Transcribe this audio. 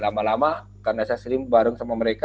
lama lama karena saya sering bareng sama mereka